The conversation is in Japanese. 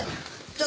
ちょ。